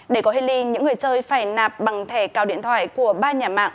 để có hê ly những người chơi phải nạp bằng thẻ cao điện thoại của ba nhà mạng